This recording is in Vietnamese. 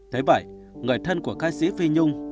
thế bảy người thân của ca sĩ phạm